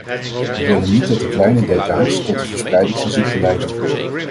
We willen niet dat de kleine details tot de verspreiding van ziekten leiden.